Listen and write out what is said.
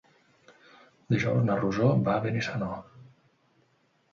Dijous na Rosó va a Benissanó.